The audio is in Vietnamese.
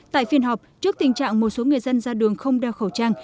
tại phiên họp trước tình trạng một số người dân ra đường không đeo khẩu trang